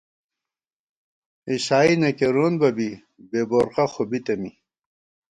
عِسائی نہ کېرون بہ بی، بےبورقہ خو بِتہ می